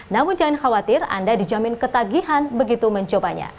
namun jangan khawatir anda dijamin ketagihan begitu mencobanya